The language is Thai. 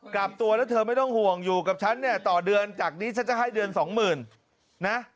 กลับตัวแล้วเธอไม่ต้องห่วงอยู่กับฉันเนี่ยต่อเดือนจากนี้ฉันจะให้เดือนสองหมื่นนะ